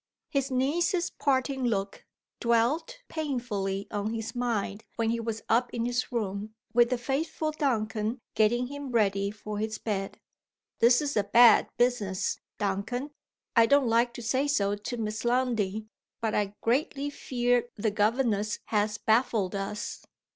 His niece's parting look dwelt painfully on his mind when he was up in his room, with the faithful Duncan getting him ready for his bed. "This is a bad business, Duncan. I don't like to say so to Miss Lundie; but I greatly fear the governess has baffled us."